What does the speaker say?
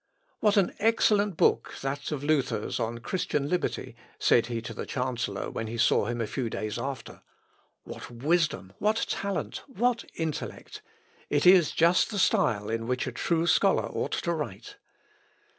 "What an excellent book that of Luther's on 'Christian Liberty,'" said he to the chancellor when he saw him a few days after "what wisdom! what talent! what intellect! it is just the style in which a true scholar ought to write.